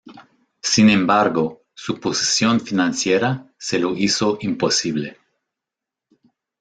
Sin embargo, su posición financiera se lo hizo imposible.